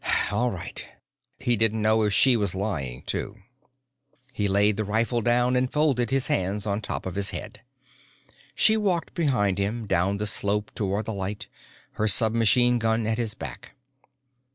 "All right." He didn't know if she was lying too. He laid the rifle down and folded his hands on top of his head. She walked behind him, down the slope toward the light, her submachine gun at his back.